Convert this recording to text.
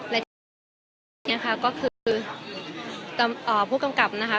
แล้วก็คืออ่าผู้กำกับนะคะ